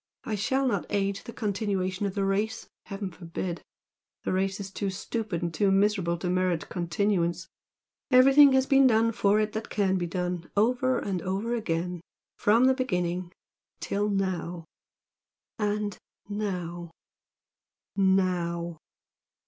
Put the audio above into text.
I shall not aid in the continuation of the race, heaven forbid! The race is too stupid and too miserable to merit continuance. Everything has been done for it that can be done, over and over again, from the beginning till now, and now NOW!"